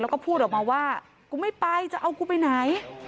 แล้วก็พูดออกมาว่ากูไม่ไปจะเอากูไปไหน